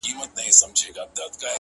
• نه چاره یې په دارو درمل کېدله,